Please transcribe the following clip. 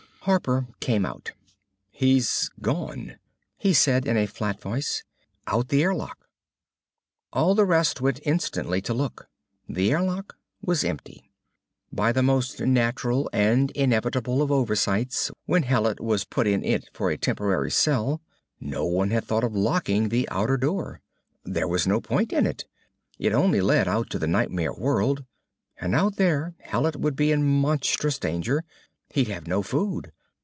Harper came out. "He's gone," he said in a flat voice. "Out the airlock." All the rest went instantly to look. The airlock was empty. By the most natural and inevitable of oversights, when Hallet was put in it for a temporary cell, no one had thought of locking the outer door. There was no point in it. It only led out to the nightmare world. And out there Hallet would be in monstrous danger; he'd have no food.